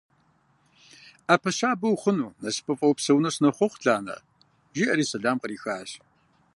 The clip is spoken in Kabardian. - Ӏэпэ щабэ ухъуну, насыпыфӀэу упсэуну сынохъуэхъу, Ланэ! – жиӀэри сэлам кърихащ.